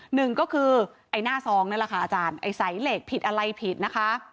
หนึ่งก็คือไอ้หน้าซองนั่นแหละค่ะอาจารย์ไอ้ใสเหล็กผิดอะไรผิดนะคะ